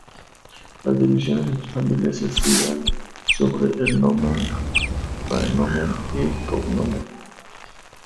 Las divisiones entre familias se hacían sobre el nomen, praenomen, y cognomen.